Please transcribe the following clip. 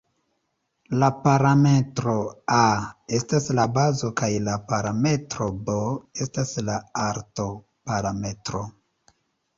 La parametro "a" estas la bazo kaj la parametro "b" estas la "alto"-parametro.